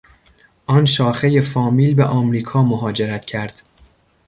آن شاخهی فامیل به امریکا مهاجرت کرد.